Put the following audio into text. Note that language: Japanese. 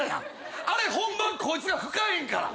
あれ本番こいつが吹かへんから。